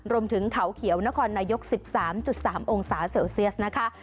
รวมถึงเขาเขียวนครนายก๑๓๓องศาเซลเซียสนะคะ